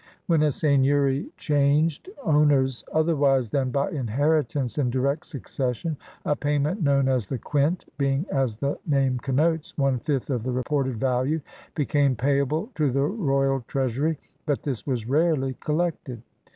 When a seigneury changed owners otherwise than by inheritance in direct succession, a payment known as the quint (being, as the name connotes, one fifth of the reported value) became payable to the royal treasiuy, but this was rarely collected.